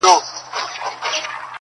رمې دي د هغه وې اې شپنې د فريادي وې.